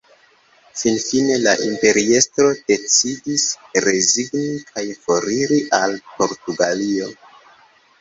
Finfine la imperiestro decidis rezigni kaj foriri al Portugalio.